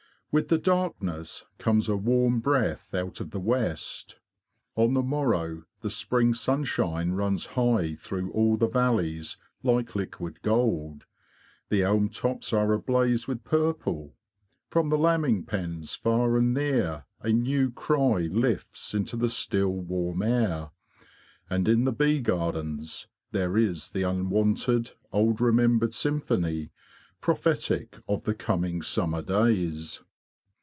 With the darkness comes a warm breath out of the west. On the morrow the spring sunshine runs high through all the valleys like liquid gold; the elm tops are ablaze with purple; from the lambing pens far and near a new cry lifts into the still, warm air; and in the bee gardens there is the unwonted, old remembered symphony, prophetic of the coming summer days.